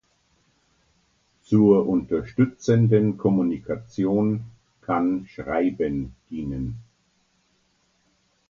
Zur unterstützenden Kommunikation kann Schreiben dienen.